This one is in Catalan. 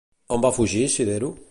On va fugir Sidero?